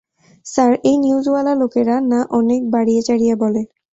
Sir, এই নিউজওয়ালা লোকেরা না অনেক বাড়িয়ে-চাড়িয়ে বলে।